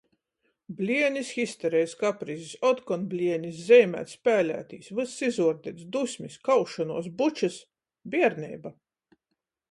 Blienis, histerejis, kaprizis, otkon blienis. Zeimēt, spēlētīs, vyss izuordeits, dusmis, kaušonuos, bučys. Bierneiba.